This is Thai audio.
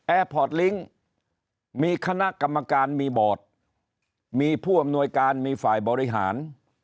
พอร์ตลิงค์มีคณะกรรมการมีบอร์ดมีผู้อำนวยการมีฝ่ายบริหาร